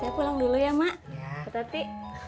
saya pulang dulu ya ma hati hati